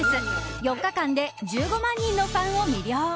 ４日間で１５万人のファンを魅了！